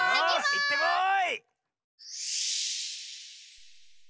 いってこい！